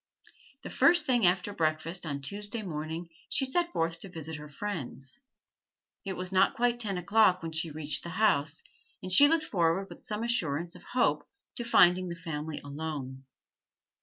The first thing after breakfast on Tuesday morning she set forth to visit her friends. It was not quite ten o'clock when she reached the house, and she looked forward with some assurance of hope to finding the family alone.